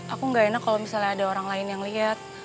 aku ga enak kalo misalnya ada orang lain yang liat